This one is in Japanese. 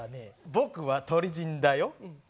僕は鳥人だよ。